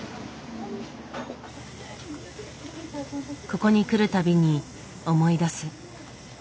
ここに来る度に思い出す。